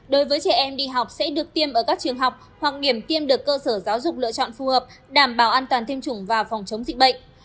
đối với trẻ em đi học sẽ được tiêm ở các trường học hoặc điểm tiêm được cơ sở giáo dục lựa chọn phù hợp đảm bảo an toàn tiêm chủng và phòng chống dịch bệnh